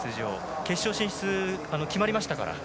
決勝進出決まりましたから。